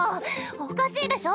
おかしいでしょ